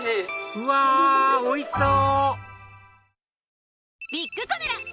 うわおいしそう！